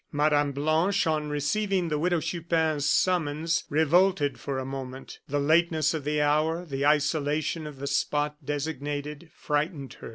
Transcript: Mme. Blanche, on receiving the Widow Chupin's summons, revolted for a moment. The lateness of the hour, the isolation of the spot designated, frightened her.